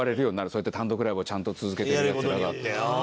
そうやって単独ライブをちゃんと続けてるヤツらが。